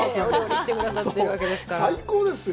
最高ですよ。